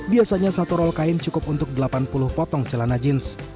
biasanya satu roll kain cukup untuk delapan puluh potong celana jeans